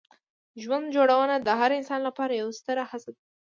ژوند جوړونه د هر انسان لپاره یوه ستره هڅه ده.